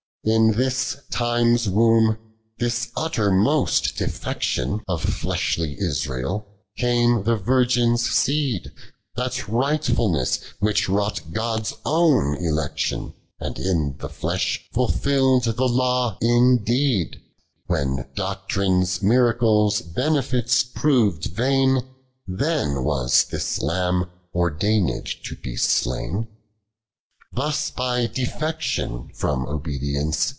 88. In this Time's womb, this uttermost defection Of fleshly Israel, came the virgin's seed ; That rightfulness which wrought God's own election, And in the flesh fulflll'd the Law indeed : When doctrine, miracles, benefits prov'd vain : Then was this Lamb ordained to be slain. 89. Thus by defection from obedience.